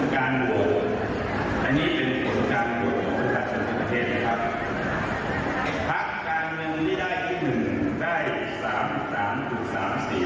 คิดว่าจะเลือกพักภูมิใจไทย